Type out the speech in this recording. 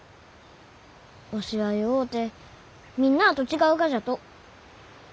わしは弱うてみんなあと違うがじゃと。